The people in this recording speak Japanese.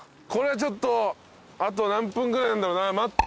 これはちょっとあと何分ぐらいなんだろうな。